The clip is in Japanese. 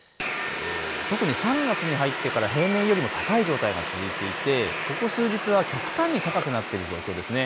特に３月に入ってから平年よりも高い状態が続いていてここ数日は極端に高くなっている状況ですね。